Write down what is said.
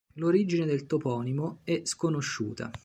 L'origine del toponimo è sconosciuta.